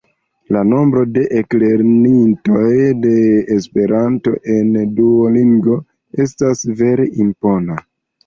La nombro de eklernintoj de Esperanto en Duolingo estas vere impona!